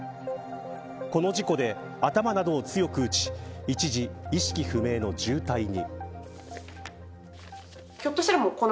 この事故で頭などを強く打ち一時、意識不明の重体に。